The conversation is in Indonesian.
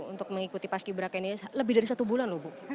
untuk mengikuti paski berangkat ini lebih dari satu bulan